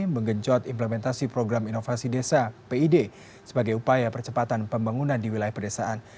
menggencot implementasi program inovasi desa pid sebagai upaya percepatan pembangunan di wilayah pedesaan